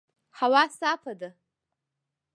هوا صافه ده